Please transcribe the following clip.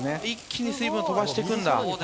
一気に水分飛ばして行くんだ。